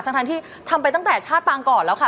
ทั้งที่ทำไปตั้งแต่ชาติปางก่อนแล้วค่ะ